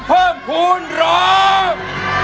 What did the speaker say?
สวัสดีครับ